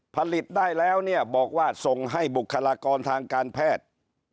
ผลิตได้แล้วเนี่ยบอกว่าส่งให้บุคลากรทางการแพทย์